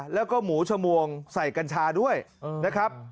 แล้วก็หมูชมวงใส่กัญชาด้วยนะครับ